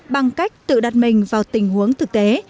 bằng cách tự đặt mình vào tình huống thực tế